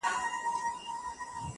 پر وظیفه عسکر ولاړ دی تلاوت کوي.